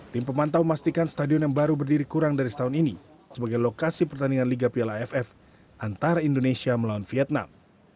tim pemantau memastikan stadion yang baru berdiri kurang dari setahun ini sebagai lokasi pertandingan liga piala aff antara indonesia melawan vietnam